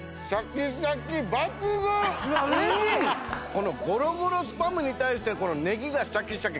このゴロゴロスパムに対してネギがシャキシャキ。